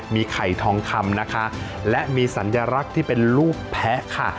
มีไข่ทองคำนะคะและมีสัญลักษณ์ที่เป็นรูปแพ้ค่ะ